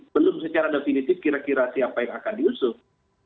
belum secara definitif kira kira siapa yang akan diusung